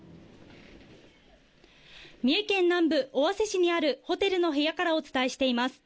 三重県南部、尾鷲市にあるホテルの部屋からお伝えしています。